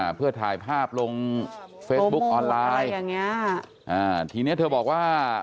เพื่อถ่ายภาพลงเฟซบุ๊กออนไลน์อย่างเงี้ยอ่าทีเนี้ยเธอบอกว่า